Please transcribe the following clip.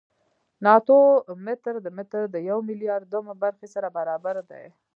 ناتو متر د متر د یو میلیاردمه برخې سره برابر دی.